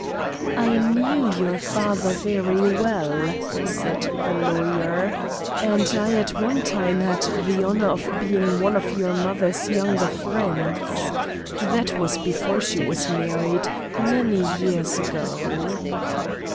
"I knew your father very well," said the lawyer, "and I at one time had the honor of being one of your mother's younger friends. That was before she was married, many years ago."